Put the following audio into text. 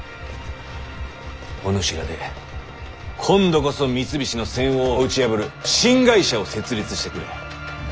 お主らで今度こそ三菱の専横を打ち破る新会社を設立してくれ。